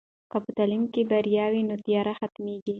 که په تعلیم کې بریا وي، نو تیاره ختمېږي.